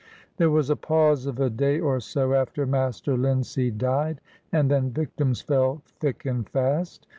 There was a pause of a day or so after Master Linseed died, and then victims fell thick and fast.